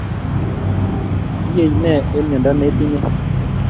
kiyei nee eng' miondo netinyei.